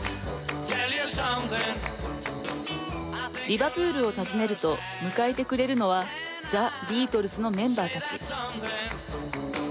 リバプールを訪ねると迎えてくれるのはザ・ビートルズのメンバーたち。